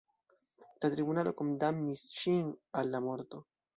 La tribunalo kondamnis ŝin al morto.